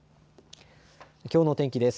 きょうの天気です。